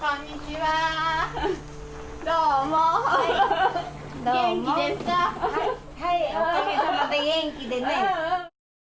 はい、おかげさまで元気でね。